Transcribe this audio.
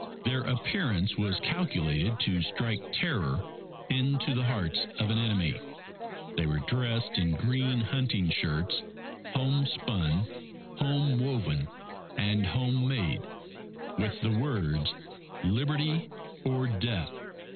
Their appearance was calculated to strike terror into the hearts of an enemy. They were dressed in green hunting shirts, home spun, home woven, and home made, with the words, _Liberty or Death!